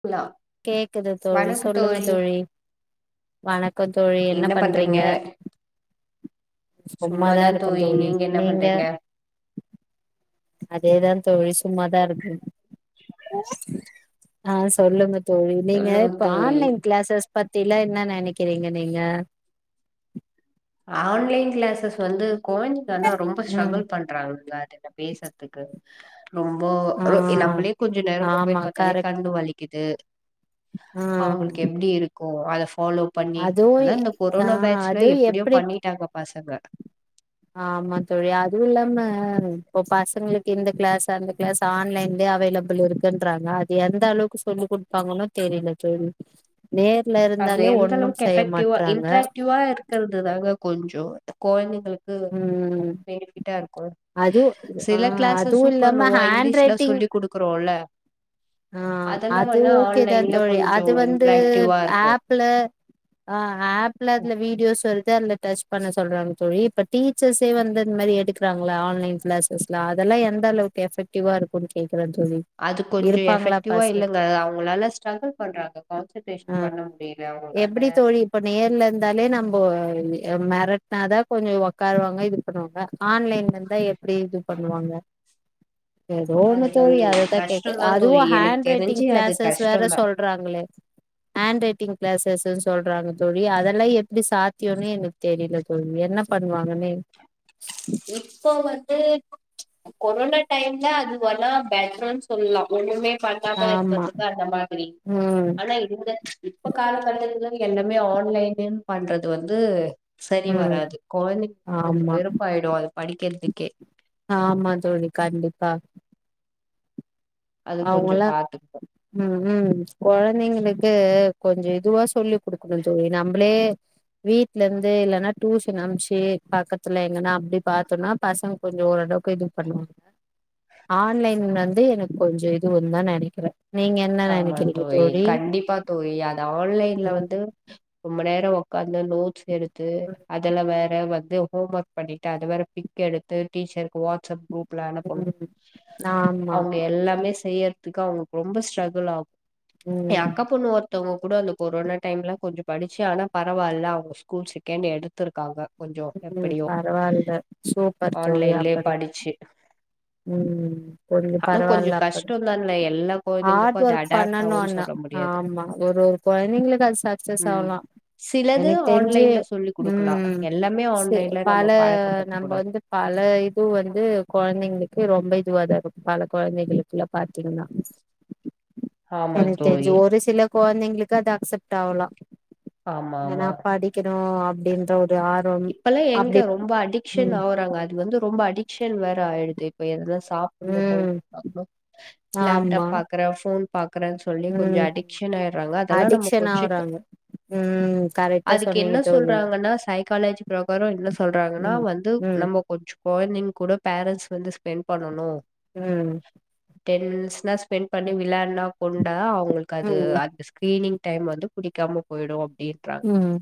புலா கேக்குது தோழி சொல்லுங்க தோழி வணக்க தோழி என்ன பண்றீங்க சும்மாதா இருக்க தோழி நீங்க அதேதா தோழி சும்மாதா இருக்கு ஆ சொல்லுங்க தோழி நீங்க சொல்லுங்க இப்ப தோழி ஆன்லைன் க்ளாஸஸ் பத்திலா என்ன நெனைக்கிறீங்க நீங்க ஆன்லைன் க்ளாஸஸ் வந்து கொழந்தைங்க ஆனா ரொம்ப ம் ஸ்ட்ரகுல் பண் றாங்கங்க அது என்ன பேசுறதுக்கு ரொம்பொ ஆ எ நம்மளே கொஞ்ச நேரோ மொபைல் ஆமா பாத்தாலே கரெக்ட் கண்ணு வலிக்குது ஆ அவங்களுக்கு எப்டி இருக்கு அத ஃபாலோ பண்ணி அதுவு ஆனா இந்த ஆ கொரோனா பேஜ்ல அதுவு எப் எப்டி பண்ணிட்டாங்க பசங்க ஆமா தோழி அதுவு இல்லாம இப்ப பசங்களுக்கு இந்த க்ளாஸ் அந்த க்ளாஸ் ஆன்லைன்லயே அவைலபிள் இருக்குன்றாங்க அது எந்த அளவுக்கு சொல்லி குடுப்பாங்கன்னு தெரியல தோழி நேர்ல அது இருந்தாலே எந்த ஒண்ணு செய்ய மாட்றாங்க இருக்குறதுதாங்க கொஞ்சோ கொழந்தைங்களுக் கு ம் பெனிபிட்டா இருக்கு அதுவு ஆ சில க்ளாஸ் அதுவு சூப்பர் இல்லாம நோவா ஹேண்ட் இங்கிலீஷ்லா ரைட்டிங் சொல்லி குடு க்றோல ஆ அது ஓகே தா ஆன்லைன்ல தோழி கொஞ்சோ அது வந்து இன்ட்ராக்டிவா இருக்கு ஆப்பல அ ஆப்பல அதுல வீடியோஸ் வருது அல டச் பண்ண சொல்றாங்க தோழி இப்ப டீச்சர்ஸே வந்து இந்த மாரி எடுக்கிறாங்களா ஆன்லைன் க்ளாஸ்ளா அதெல்லா எந்தளவுக் எஃபக்டிவா இருக்கும்ன் கேக்குறே தோழி அது கொஞ்ச இருப்பாங்களா எஃபெக்டிவா பச இல்லைங்க அவங்களால ஸ்ட்ரகுள் பண்றாங்க ஆ கான்சன்ட்ரேஷன் பண்ண முடியல அவங்களால எப்டி தோழி இப்ப நேர்ல இருந்தாலே நம்ம மெரட்னாதா கொஞ்சோ உக்காருவாங்க இது பண்ணுவாங்க ஆன்லைன்ல இருந்தா எப்படி இது பண்ணுவாங்க [inaudible] ஏதோ ஒன்னு அதுதா தோழி அதைதா கேக்க கஷ்டந்தா அதுவு தோழி எனக்கு ஹேண்ட் ரைட்டிங் தெரிஞ்சு அது க்ளாஸஸ் வேற கஷ்டந்தா சொ ல்றாங்களே ஹேண்ட் ரைட்டிங் க்ளாஸஸ்ன் சொல்றாங்க தோழி அதெல்லா எப்டி சாத்தியனு எனக்கு தெரியல தோழி என்ன பண்ணுவாங்கன்னே இப்போ வந்து கொரோனா டைம்ல அது வலா பேக்ரோனு சொல்லலா ஒண்ணுமே பண்ணாம ஆமா இருக்கிறதுக்கு அந்த மாதிரி ம் ஆனா இந்த இப்ப காலகட்டத்துல எல்லாமே ஆன்லைனுன் பண்றது வந்து சரி ம் வராது கொழந்தைங்க கொஞ்ச ஆமா வெருப்பாயிடு அது படிக்கிறதுக்கே ஆமாந் தோழி கண்டிப்பா அது கொஞ்சோ அவங்களா பாத்துக்கணு ம் ம் குழந்தைங்களுக்கு கொஞ்ச இதுவா சொல்லி குடுக்கணு தோழி நம்மளே வீட்ல இருந்து இல்லனா டூஷன் அம்ச்சு பக்கத்துல எங்கன்னா அப்டி பாத்தோனா பசங் கொஞ்ச ஓரளவுக்கு இது பண்ணுவாங் ஆன்லைன் வந்து எனக் கொஞ்ச இதுவுந்தா நெனைக்கிறே நீங்க என்ன ஆமா நெனைக்கிறீங்க தோழி கண்டிப்பா தோழி அது ஆன்லைன்ல ம் வந்து ரொம்ப நேரோ ஒக்காந்து நோட்ஸ் எடுத்து அதல்ல வேற வந்து ஹோம் ஒர்க் பண்ணிட்டு அத வேற பிக் எடுத்து டீச்சருக்கு வாட்ஸப் குரூப் புல அனுப்பனு ம் ஆமா அவுங்க எல்லாமே செய்யற்துக்கு அவுங்க ரொம்ப ஸ்ட்ரகுள் ஆகு ஏ ம் அக்கா பொண்ணு ஒர் த்தவ்ங்க கூட அந்த கொரோனா டைம்லா கொஞ்சோ படிச்சு ஆனா பரவால்லா அவுங்க ஸ்கூல் செகண்ட் எடுத்திருக்காங்க கொஞ்சோ ம் ம் எப்படியோ பரவால்ல சூப்பர் தோழி ஆன்லைன்லயே அப்படி படிச்சு ம் ம் புரியுத் ஆனா கொஞ்சோ பரவால்ல அப்பட் கஷ்டோந்தான்ல எல்லா ஆ கொழந்தைங்களுக்கு ட் அது ஒர்க் அடாப்ட் பண்ணணு ஆகுன்னு ஆனா சொல்ல முடியாது ஆமா ஒரு ஒரு கொழந்தைங்ளுக்கு அது சக்சஸ் ம் ஆவலா சிலது எனக் தெரிஞ்சு ஆன்லைன்ல சொல்லி குடுக்கலா ம் எல்லாமே ச ஆன்லைன்ல நம்ம பல பழக்கப்படுத்த நம்ப கூடாது வந்து பல இது வந்து கொழந்திங்ளுக்கு ரொம்ப இதுவதா இருக்கு பல கொழந்தைகளுக்கிலா பாத்தீங்ன்னா ஆமா எனக் தெர்ஞ்சி தோழி ஒரு சில கொழந்திங்ளுக்கு அது அக்சப்ட் ஆவலா ஆமா ஏனா ஆமா படிக்கணு அப்டின்ற ஒரு ஆர்வ இப்பெல்லா எங்க ரொம்ப அடிக்ஷன் ஆவுறாங்க அது வந்து ரொம்ப அடிக் ஷன் வேர ஆயிடுது இப்ப எதனா சாப்புட்ணு ம் கொல்னோனா லேப்டாப் ஆமா பாக்குற ஃபோன் பாக்குறே சொல்லி கொஞ்ச ம் அடிக்ஷன் ஆயட்றாங்க அதெல்லா நம்ம அடிக்ஷன் கொஞ்சக் க ஆவுறாங்க ம் கரெக்டா அதுக்கு என்ன சொன்னீங்க தோழி சொல்றாங்கன்னா சை காலேஜி ப்ரகாரோ என்ன சொல்றாங்கன்னா ம் வந்து ம் நம்போ கொஞ்சு கொழந்திங்கூட பேரண்ஸ் வந்து ஸ்பெண் பண்ணனு ம் டென்ஸ்னா ஸ்பெண் பண்ணி விளாட்னா கொண்டா அவுங்களுக் கு அது ம் அந்த ஸ்கிரீனிங் டைம் வந்து புடிக்காம போயிடு அப்டின்றா ம்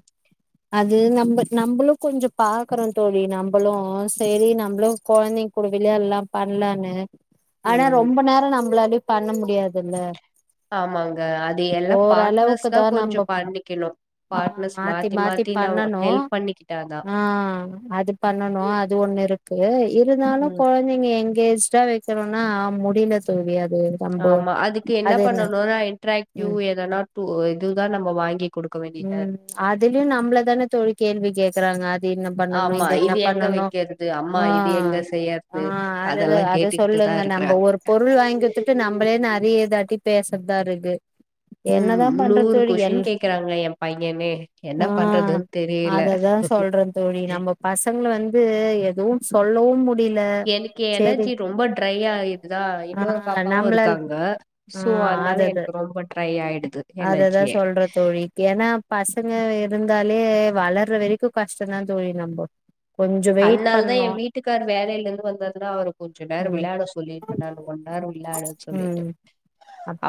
அது நம் நம்பளு கொஞ்சோ பாக்குறோ தோழி நம்பளு செரி நம்ப்ளு கொழந்தைங் கூட விளையாலா பண்ணலானு ஆனா ம் ரொம்ப நேரோ நம்பளாலயு பண்ண முடியாதுல்ல ஆமாங்க அது எல்லா ஓரளவுக்கு பாட்னர்ஸ்தா தா கொஞ்சோ நம்ப பண்ணிக்கிணு ஆ மாத்தி மாத்தி பண்ணணு ஹெல்ப் பண்ணிக்கிட்டாதா ஆ அது பண்ணணு அது ஒண்ணு இருக்கு இருந்தாலு ம் கொழ ந்திங்க எங்கேஜ்டா வெக்கனுனா முடில தோழி அது நம்போ ஆமா அதுக்கு என்ன பண்ணணுனா இன்ட்ராக்டிவ் ம் எதனா டூ இதுதா நம்ம வாங்கி குடுக்க வேண்டியதா ம் இரு அதுலியு நம்ப்ள தான தோழி கேள்வி கேக்குறாங்க இது என்ன பண்ணணு ஆமா இது என்ன எங்க பண்ணணு வைக்கிறது அம்மா ஆ இது எங்க ஆ செய்யறது அததா அதெல்லா அது கேட்டுக்கிட்டுதா சொல்லுங்க நம்ப இருக்கறாங்க ஒரு பொருள் வாங்கி குத்துட்டு நம்பளே நெறைய இதாட்டி பேசற்தாருக்கு என்னதா பண்றத் தோழி எல் க்கிறாங்க எ பையன்னே என்ன ஆ பண்றதுன் தெரியகல அததா சொல்றே தோழி நம்ப பசங்ள வந்து எதுவு சொல்லவு மு எனக்கு எனர்ஜி ரொம்ப ட்ரை ஆயிடுதா ஆ இன்னொர் பாப்பாவு நம்மளால் இருக்காங்க ஆ சோ அதனால அதது எனக்கு ரொம்ப ட்ரை ஆயிடுது எனர்ஜியே ஏனா பசங்க இருந்தாலே வளர்ற வெரிக்கு கஷ்டந்தா தோழி நம்போ கொஞ்சோ வெயிட் அன்னால தா பண்ணு என் வீட்டுக்கார் வேலையில இருந்து வந்த உட்னே அவர கொஞ்ச நேரோ ம் விளாட சொ லேட் பண்ணாலு கொண்நேரம் விளாட சொல்லிட்டு ம்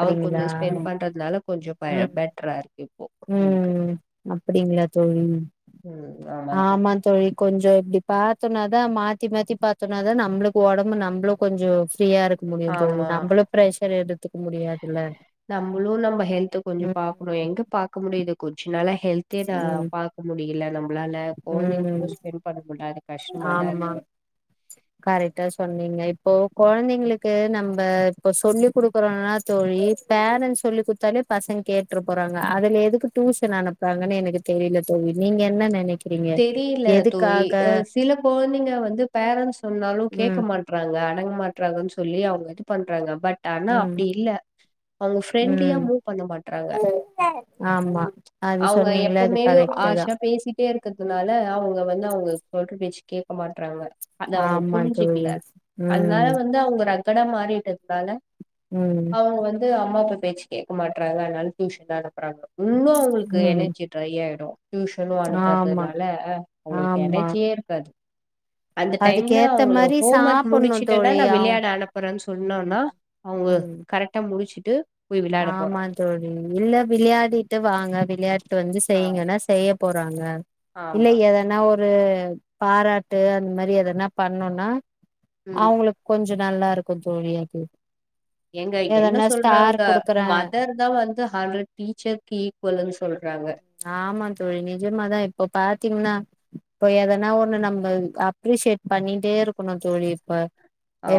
அவர் கொஞ்சோ ஸ்பெண்ட் பண்றதுனால கொஞ்சோ பெ பெட்ரா இருக்கு இப்போ டு எனக்கு அப்படிங்களா தோழி ஆமா தோழி கொஞ்சோ இப்டி பாத்தம்னாதா மாத்தி மாத்தி பாத்தம்ன்னா தா நம்மளுக்கு உடம்பு நம்மளு கொஞ்சோ ஃப்ரீயா இருக் முடியு தோழி ஆமா நம்மளும் பிரஷர் எடுத்துக்க முடியாதுல்ல உம் உன்ன எங்க பாக்க முடியுது கொஞ்ச நாளா ஹெல்தே நா ம் பாக்க முடியல உங்களால குழந்தைங்க ம் கூட ஸ்பெண்ட் பண்ண முட்ல ஆமா கரெட்டா சொன்னீங்க இப்போ கொழந்தங்குளுக்கு நம்ப இப்ப சொல்லி குடுக்கறன்னா தோழி பேரன்ஸ் சொல்லி் குத்தாலே பசங்க கேட்ற போறாங்க அதுல எதுக்கு டியூஷன் அனுப்பறாங்கன்னு எனக்கு தெரில தோழி நீங்க என்ன நெனைக் தெரியில தோழி சில கொழந்தங்க வந்து பேரண்ஸ் சொன்னாலு கேக்க ம் மாட் டன்றாங்க அடங்க மாட்டன்றாங்கன்னு சொல்லி அவுங்க இது பண்றாங்க பட் ஆனா ம் அப்டி இல்ல அவுங்க ஃப்ரெண்ட்லியா ம் மூவ் பண்ண மாட்றாங்க ஆமா அது அவுங்க சொன்னீங்கள அது எப்பவுமே கரெக்ட்டு தா ஹார்ஷா பேசிட்டே இருக்கறதுனால அவுங்க வந்து அவுங்க சொல்ற பேச்சக் கேக் மாட்றாங்க அத அவுங்க ஆமா புரிஞ்சிக்ல தோழி அதனால ம் வந்து அவுங்க ரக் இடம் மாறிட்டதுனால ம் இப்ப வந்து அம்மா அப்பா பேச்சு கேக்க மாட்றாங்க அதனால டியூஷன் அனுப்றாங்க இன்னும் அவுங்ளுக்கு ம் எனர்ஜி ட்ரை ஆயிடும் டியூஷனு ஆமா அனுப்பறதுனால அவுங்குளுக்கு ஆமா எனர்ஜியே இருக்காது அந்த டைம்ல அதுக்கேத்த அவுங்கள மாரி ஹோம் ஒர்க் சாப்புட்ணு முடிச்சிட்டன்னா தோழி நா அவ் விளையாட அனுப்பறன்னு ம் சொன்னானா அவுங்க ம் கரெக்ட் டா முடிச்சுட்டு போய் விளையாட ஆமா போறாங்க தோழி இல்ல விளையாடிட்டு வாங்க விளையாட்டு வந்து ஆ செய்கங்ன்னா செய்ய போறாங்க இல்ல ஆமா எத நா ஒரு பாராட்டு அந்த மாறி எதனா பண்ணோன்னா ம் அவுங்ளுக் கொஞ்சோ நல்லா இருக்கும் தோழி அது ஏங்க என்ன எதனா சொல்றாங்க ஸ்டார் குடுக்குற அ மதர் தா வந்து ஹண்ட்ரட் டீச்சர்கு ஈக்குவல்ன்னு சொல்றாங்க ஆமா தோழி நிஜமாதா இப்போ பாத்தீங்ன்னா இப்ப எதனா ஒண்ணு நம்ம அப்ரிசியேட் பண்ணிட்டே இருக்கணு தோழி இப்ப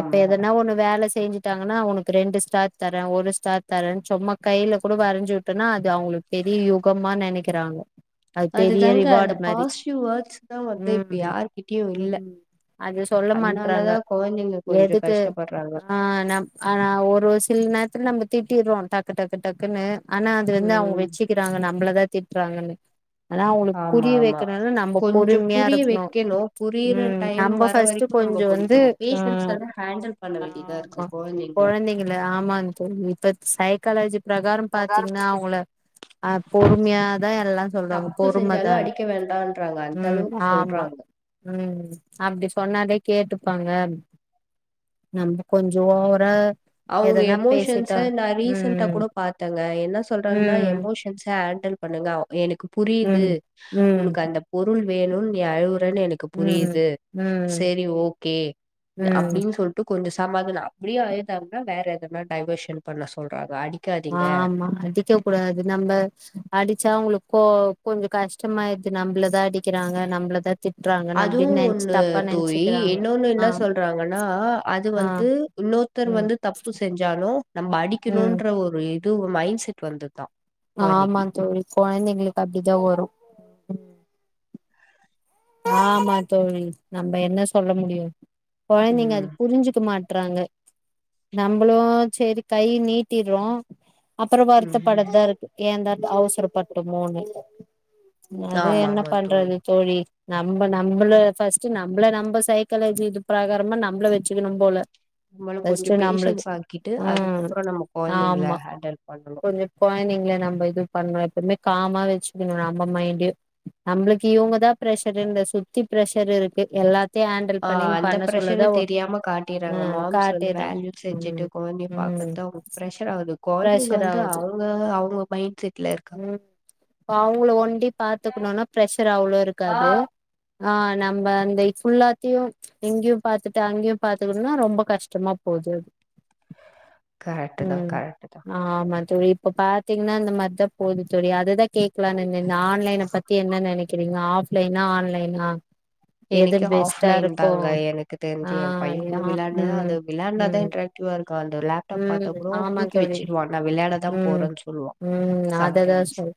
இப்ப எதனா ஒண்ணு வேலை செஞ்சுட்டாங்கன்னா உனக்கு ரெண்டு ஸ்டார் தரே ஒரு ஸ்டார் தரேனு சும்மா கையில கூட வரைஞ்சு வுட்டோனா அது அவங்களுக்கு பெரிய யுகமா நினைக்கறாங்க அது பெரிய அதுதாங்க அந்த ரிவாடு மாறி பாசிட்டிவ் வேர்ட்ஸ் தான் வந்து இப்ப ம் யார்கிட்டயும் இல்ல ம் அத சொல்ல மாட்றாங்க அதனாலதான் குழந்தைங்க கொஞ்சம் எதுக்கு கஷ்டப்படுறாங்க ஆ நம் ஆனா ஒரு சில நேரத்துல நம்ப திட்டிர்றோ டக்கு டக்கு டக்குனு ஆனா அது வந்து அவுங்க ம் வச்சுக்கிறாங்க நம்மளதா திட்றாங்கன்னு ஆனா அவுங்குளுக்கு ஆமா புரிய ஆமா வக்கினுல நம்ப கொஞ்சம் பொறுமையா புரிய இருக்கணு வைக்கணும் புரியிற ம் டைம் நம்ப வர ஃபர்ஸ்ட்டு வரைக்கும் நம்ம கொஞ்சோ வந்து கொஞ்சம் ஆ பேஷன்ஸா தான் ஹேண்டில் பண்ண வேண்டியதா இருக்கு ஆமா குழந்தைங்கள கொழந்தங்க ஏ ஆமா அந்த பொண்ணு இப்ப சைக்காலஜி பிரகாரம் பாத்தீங்னா அவுகள அப் பொறுமையாதா எல்லா சொல்றாங்க தப்பு செஞ்சாலும் பொறுமைதான்னு அடிக்க வேண்டான்றாங்க அந்த ம் அளவுக்கு ஆமா சொல்றாங்க ம் அப்டி சொன்னாதே கேட்டுப்பாங்க நம்ப கொஞ்சோ ஓவரா அவுங்க எதனா எமோஷன்ஸ பேசிட்டா நா ரீசண்டா ம் கூட பாத்தங்க என்ன சொல்றாங்கன்னா ம் எமோஷன்ஸ ஹேண்டில் பண்ணுங்க எனக்கு புரியிது ம் ம் உனக்கு அந்த பொருள் வேணுனு நீ அழுவுறனு எனக் கு ம் புரியிது ம் ம் சேரி ஓகே ம் அப்டின் சொல் டு கொஞ்சோ சமாதான அப்டியே அழுதாங்கனா வேற எதனா டைவர்ஷன் பண்ண சொல்றாங்க அடி ஆமா அடிக்கக் கூடாது நம்ப அடிச்சா அவுங்களுக் கொ கொஞ்சோ கஷ்டமாயிது நம்மளதா அடிக் க்கிறாங்க நம்பளதா திட்றாங்க அப்டின் அதுவும் நெனச்சி ஒண்ணு தப்பா தோழி. நெனச்க்கிறாங்க இன்னொன்னு ஆ என்ன சொல்றாங்கன்னா, அது ஆ வந்து இன்னோர்த்தர் ம் வந்து தப்பு செஞ்சா சாலு நம்ப ம் அடிக்கணுன்ற ஒரு இது மைண்ட் செட் வந்துதா ஆமாங் தோழி கொழந்தைங்களுக் அப்டிதா வரு ஆமா தோழி நம்ப என்ன சொல்ல முடியு கொழந்தைங்க அத ம். புரிஞ்சுக்க மாட்றாங்க நம்பளு சரி கை நீட்டிர்றோ அப்றோ வருத்தப்பட ம். தா இருக்கு ஏந்தா அவசரப்பட்டமோனு அது என்ன பண்றது தோழி நம்ப நம்பள ஃபஸ்ட்டு நம்பள நம்ப சைக்காலஜி இது பிராகாரமா நம்மள வச்சிக்கணு போல நம்மளு கொஞ்சோ ஃபர்ஸ்ட் நம்மளுக்கு பேஷன்ஸ் ஆக்கிட்டு ம் அதுக்கப்றோ நம்ம கொழந்தைங்கள ஆமா ஹாண்டல் பண்ணணு கொஞ்சோ கொழந்தைங்கள நம்ப இது பண்ணனு எப்பமே காமா வச்சுக்கணு நம்ப மைண்டயு நம்மளுக்கு இவுங்கதா ப்ரெஷர் இந்த சுத்தி ப்ரெஷர் இருக்கு எல்லா ஆ அந்த பிரஷர் தெரியாம காட்டிறாங்க ம் மாம்ஸ் வந்து காட்டிறாங்க வேலயூ ம் செஞ்சுட்டு கொழந்தைய ம் பாக்குறதுதா அவுங்க ப்ரெஷரா ஆகுது கொழந்தைங்க பிரஷர் வந்து ஆவுது அவுங்க அவுங்க மைண்ட் செட்ல இருக்கா ப்ப அவுங்கள ஒண்டி பாத்துக்கணுனா பிரெஷர் அவ்ளோ ஆ இருக்காது ஆ நம்ப அந்த ஃபுல்லாத்தையு இங்கயு பாத்துட்டு அங்கயு பாத்துக்கணும்னா ரொம்ப கஷ்டமா போகுது கரெக்ட் தா கரெக்ட் தா ஆமா தோழி இப்ப பாத்தீங்கன்னா இந்த மாரிதா போது தோழி அதுதா கேக்கலானு இருந்தே இந்த ஆன்லைனை பத் த்தி என்ன நெனைக்கிறீங்க ஆஃப்லைனா ஆன்லைனா எது எனக்கு பெஸ்ட்டா ஆஃப்லைன் இருக்கு தாங்க எனக்கு ஆ தெரிஞ்சு என் பையன் கூட ஏனா விளையாடுனதா ம் அது விளையாடுனது ம் ன்ற ட்யூவா இருக்கா அந்த லேப்டாப் பாத்தா ம் கூடோ ஆமா தூக்கி தோழி வச்சுடுவா நா விளையாடதா ம் போறேன்னு சொல்லுவா ம் அத தா சம்டைம்ஸ் சொல்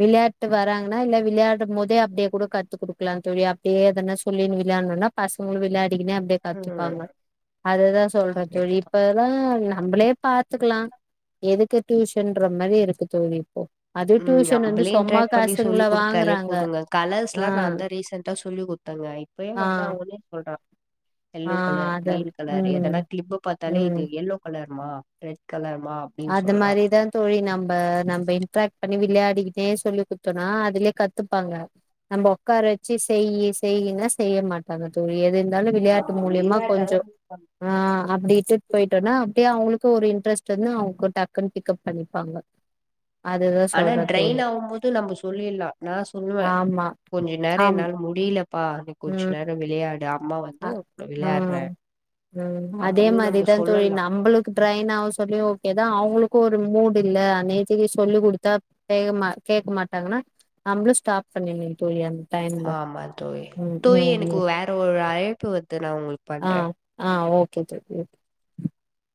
விளையாட்டு வராங்கன்னா இல்ல விளையாடும் போதே அப்டியே கூட கத்துக் குடுக்கலாம் தோழி அப் டியே எதனா சொல்லி விளையாணுனா பசங்ளு விளையாடிகுனே அப்டியே கத்துப்பாங்க ம் அதுதா சொல்றே தோழி கரெக்ட் இப்பல்லா நம்பளே பாத்துக்லா எதுக்கு டியூஷன்ற மாரி இருக்கு தோழி இப்போ அது ம் டியூஷன் வந்து நம்பளே சும்மா இன்ட்ராக்ட் பண்ணி சொல்லி காசுங்கள குடுத்தாலே வாங்குறாங்க போதுங்க ஆ கலர்ஸ்லா நாதா ரீசெண்டா சொல்லி குடுத்தங்க இப்பயு ஆ வந்தா ஓட்னே சொல்றா ஆ எல்லோ கலர் அத கிரீன் கலர் ம் எதனா கிளிப் பாத்தாலே இது ம் எல்லோ கலர் மா ரெட் கலர் மா அது மாரி தா தோழி நம்ப நம்ப இன்ட்ராக்ட் பண்ணி விளையாடிக்கிட்டே சொல்லி குத்தோனா அதுலே கத்துப்பாங்க நம்ம உக்கார வச்சு செய்யி செய்யினா செய்ய மாட் டாங்க தோழி எது இருந்தாலு விளையாட்டு ஆமா மூலியமா கொஞ்சோ விளையாட்டெல்லாம் பண்ணும். ஆ அப்டிட்ன்டு போயிட்டோனா அப்டியே அவங்களுக்கு ஒரு இன்ட்ரெஸ்ட் வந்து அவங்க டக்குன்னு பிக்கப் பண்ணிப்பாங்க அதுதா ஆனா சொல்றே தோழி ட்ரைன் ஆகும் போது நம்ம சொல்லிடலா நா சொல்லுவே ஆமா கொஞ்ச நேரம் ஆம் என்னால முடியலப்பா நீ கொஞ்ச ம் நேர விளையாடு அ அ ம் அதே அப்டின்னு நம்ம மாரிதா தோழி சொல்லலாம். நம்பளு ட்ரைன் ஆவு சொல்லி ஓகேதா அவுங்களுக்கு ஒரு மூடு இல்ல நேத்தைக்கு சொல்லி குடுத்தா வேகமா கேட்க மாட்டாங்கன்னா நம்மளும் ஸ்டாப் பண்ணிங்கனு தோழி அ ஆமா தோழி தோழி எனக்கு ம் வேற ஒரு அழைப்பு வருது நா உங்களுக் ஆ ஆ ஓகே தோழி ஓகே